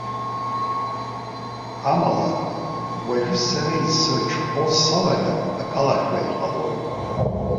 Амала, уажәы сара исырҽхәо салагар акалашәа иҟалоит.